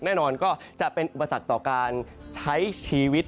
แน่นอนก็จะเป็นอุปสรรคต่อการใช้ชีวิต